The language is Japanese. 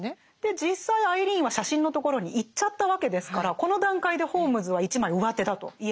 実際アイリーンは写真のところに行っちゃったわけですからこの段階でホームズは一枚うわてだと言えますよね。